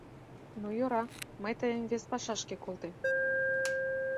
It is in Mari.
Ну, йӧра, мый тыйым вес пашашке колтем.